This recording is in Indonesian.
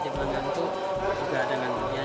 dibilang gantung juga ada gantung